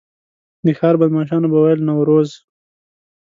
د ښار بدمعاشانو به ویل نوروز.